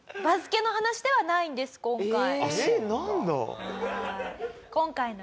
バスケの話ではないんです今回。